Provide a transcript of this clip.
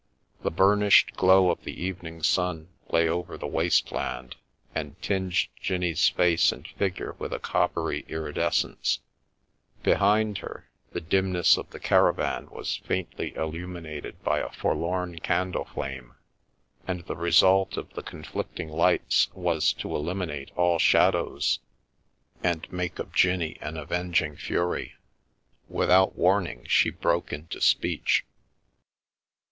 The burnished glow of the evening sun lay over the waste land, and tinged Jinnie's face and figure with a coppery irides cence; behind her, the dimness of the caravan was faintly illuminated by a forlorn candle flame, and the result of the conflicting lights was to eliminate all shad ows, and make of Jinnie an avenging fury. Without warning, she broke into speech.